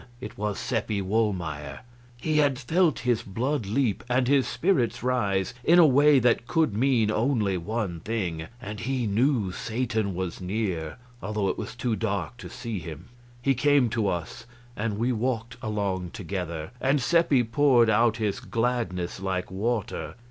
It was Seppi Wohlmeyer. He had felt his blood leap and his spirits rise in a way that could mean only one thing, and he knew Satan was near, although it was too dark to see him. He came to us, and we walked along together, and Seppi poured out his gladness like water.